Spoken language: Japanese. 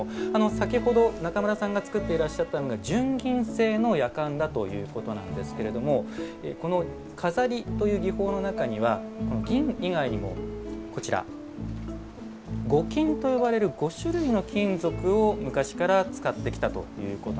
先ほど中村さんが作っていらっしゃったのが純銀製の薬缶だということなんですけれどもこの錺という技法の中には銀以外にもこちら五金と呼ばれる５種類の金属を昔から使ってきたということなんですね。